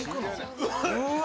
うわ！